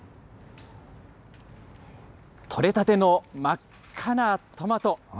取れたての真っ赤なトマト。